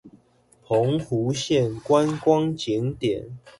澎湖縣觀光景點